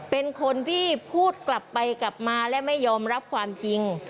เป็นคนที่พูดกลับไปกลับมาและไม่ยอมรับความจริง